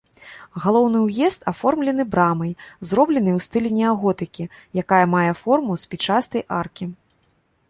Галоўны ўезд аформлены брамай, зробленай у стылі неаготыкі, якая мае форму спічастай аркі.